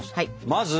まず？